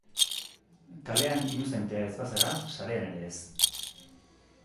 Kalean inuzentea ez bazara, sarean ere ez.